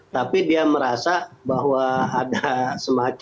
tapi dia merasa bahwa ada semacam